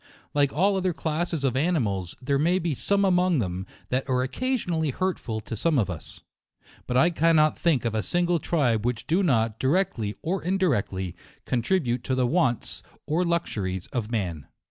Like all other classes of animals, there may be some among them that are occasionally hurtful to some of us ; but I cannot think of a single tribe which do not, directly or indirectly, contribute to the wants or luxuries of man.